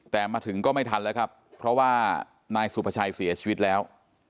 แต่มาถึงก็ไม่ทันแล้วครับเพราะว่านายสุภาชัยเสียชีวิตแล้ว